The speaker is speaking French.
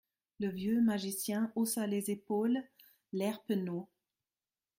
Le vieux magicien haussa les épaules, l’air penaud.